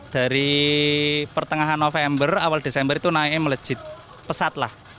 dari pertengahan november awal desember itu naiknya melejit pesat lah